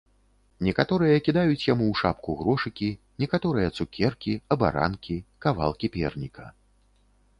Некаторыя кідаюць яму ў шапку грошыкі, некаторыя цукеркі, абаранкі, кавалкі перніка.